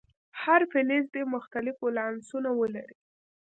هر فلز دې مختلف ولانسونه ولري.